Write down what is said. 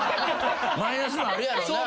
マイナスもあるやろうな。